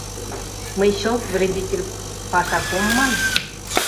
Мый чылт «вредитель пашак» ом ман.